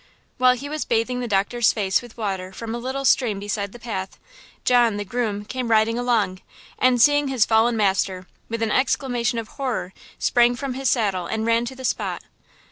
While he was bathing the doctor's face with water from a little stream beside the path, John, the groom, came riding along, and seeing his fallen master, with an exclamation of horror, sprang from his saddle and ran to the spot.